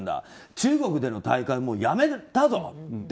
中国での大会はやめだぞって